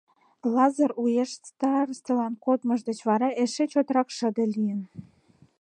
Лазыр уэш старостылан кодмыж деч вара эше чотрак шыде лийын.